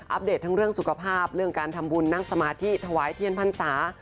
เดตทั้งเรื่องสุขภาพเรื่องการทำบุญนั่งสมาธิถวายเทียนพรรษา